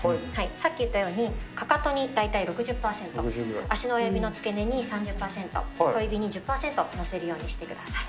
さっき言ったように、かかとに大体６０％、足の親指の付け根に３０％、小指に１０％、のせるようにしてください。